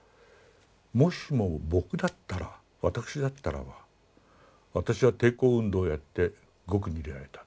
もしも僕だったら私だったらば私は抵抗運動をやって獄に入れられた。